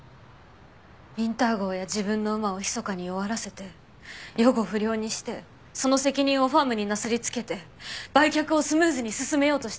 ウィンター号や自分の馬をひそかに弱らせて予後不良にしてその責任をファームになすりつけて売却をスムーズに進めようとしていました。